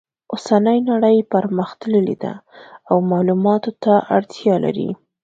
اوسنۍ نړۍ پرمختللې ده او معلوماتو ته اړتیا لري